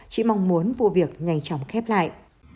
chị mong muốn vụ việc nhanh chóng khép lại